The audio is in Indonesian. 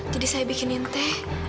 jadi saya bikin inti